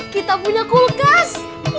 kita punya kulkas